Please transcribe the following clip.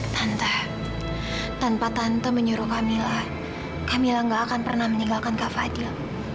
tante tanpa tante menyuruh kak mila kak mila gak akan pernah meninggalkan kak fadil